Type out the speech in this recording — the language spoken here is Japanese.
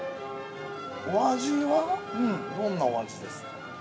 ◆お味は、どんなお味ですか。